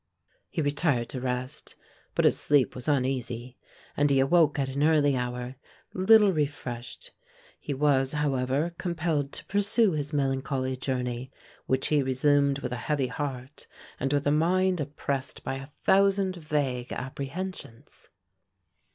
He retired to rest; but his sleep was uneasy; and he awoke at an early hour, little refreshed. He was however compelled to pursue his melancholy journey, which he resumed with a heavy heart and with a mind oppressed by a thousand vague apprehensions.